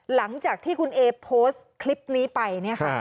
หลังจากที่คุณเอโพสต์คลิปนี้ไป